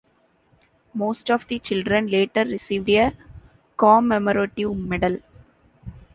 Most of the children later received a commemorative medal.